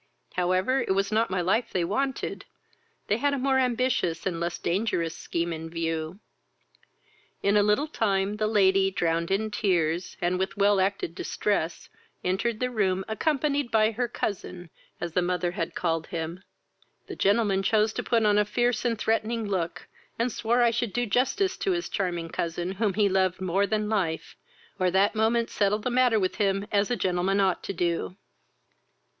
However, it was not my life they wanted; they had a more ambitious and less dangerous scheme in view. In a little time, the lady, drowned in tears, and with well acted distress, entered the room, accompanied by her cousin, as the mother had called him. The gentleman chose to put on a fierce and threatening look, and swore I should do justice to his charming cousin, whom he loved more than life, or that moment settle the matter with him as a gentleman ought to do.